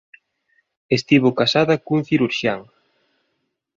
Estivo casada cun cirurxián.